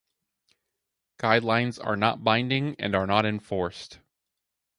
Guidelines are not binding and are not enforced.